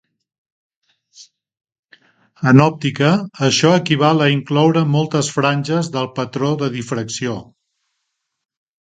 En òptica, això equival a incloure moltes franges del patró de difracció.